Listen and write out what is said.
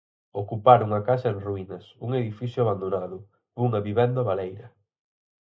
Ocupar unha casa en ruínas, un edificio abandonado, unha vivenda baleira.